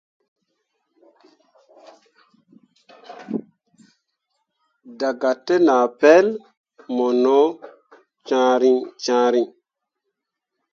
Daga te nah pel mu no cyãhrii cyãhrii.